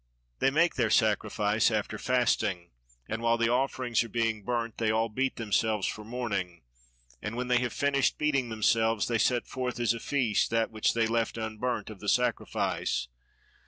They make their sacrifice after fasting, and while the offerings are being burnt, they all beat themselves for mourning, and when they have finished beating themselves they set forth as a feast that which they left unburnt of the sacrifice.